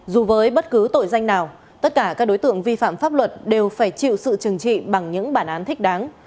dù với bất cứ tội danh nào tất cả các đối tượng vi phạm pháp luật đều phải chịu sự trừng trị bằng những bản án thích đáng